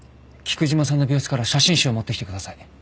菊島さんの病室から写真集を持ってきてください。